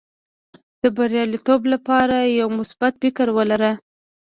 د بریالیتوب لپاره یو مثبت فکر ولره.